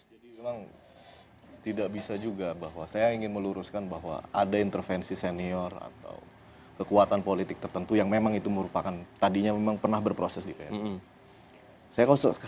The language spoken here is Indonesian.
jadi memang tidak bisa juga bahwa saya ingin meluruskan bahwa ada intervensi senior atau kekuatan politik tertentu yang memang itu merupakan tadinya memang pernah berproses di pmii